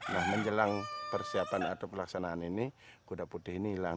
nah menjelang persiapan atau pelaksanaan ini kuda putih ini hilang